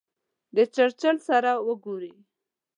د چرچل سره وګوري.